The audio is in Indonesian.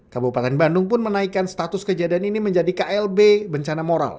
kabupaten bandung pun menaikkan status kejadian ini menjadi klb bencana moral